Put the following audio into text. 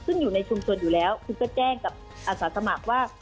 ซึ่งอยู่ในชุมชนอยู่แล้วคือก็แจ้งกับอาสาสมัครว่า